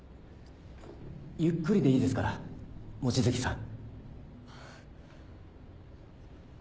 ゆっくりでいいですから望月さん。